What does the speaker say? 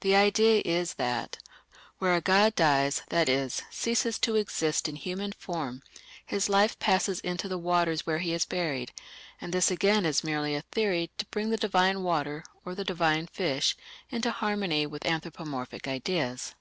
The idea is that "where a god dies, that is, ceases to exist in human form, his life passes into the waters where he is buried; and this again is merely a theory to bring the divine water or the divine fish into harmony with anthropomorphic ideas.